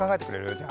じゃあ。